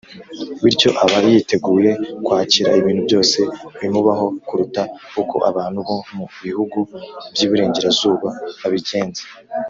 bityo, aba yiteguye kwakira ibintu byose bimubaho kuruta uko abantu bo mu bihugu by’iburengerazuba babigenza.